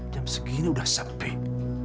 jam segini udah sempit